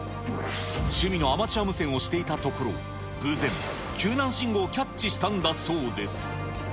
趣味のアマチュア無線をしていたところ、偶然、救難信号をキャッチしたんだそうです。